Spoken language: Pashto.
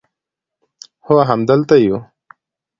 هو همدلته یو